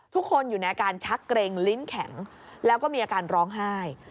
ทุกคนอยู่ในอาการชักเกร็งลิ้นแข็งแล้วก็มีอาการร้องไห้